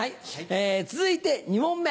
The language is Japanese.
続いて２問目。